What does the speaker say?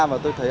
và tôi thấy